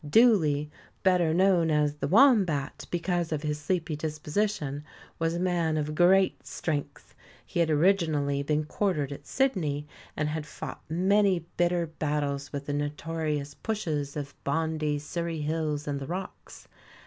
Dooley, better known as The Wombat because of his sleepy disposition, was a man of great strength. He had originally been quartered at Sydney, and had fought many bitter battles with the notorious "pushes" of Bondi, Surry Hills and The Rocks.